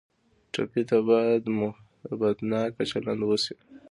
ټپي ته باید محبتناکه چلند وشي.